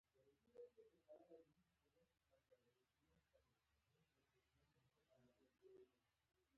يوسف خان به څۀ خاص کار کسب نۀ کولو